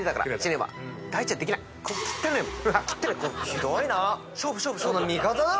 ひどいな。